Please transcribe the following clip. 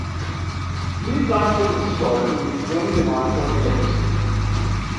New plant was installed to meet growing demand for electricity.